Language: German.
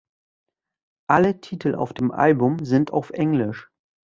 Alle Titel auf dem Album sind auf englisch.